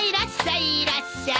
いらっしゃい！